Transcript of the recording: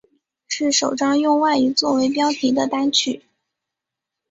是首张用外语作为标题的单曲。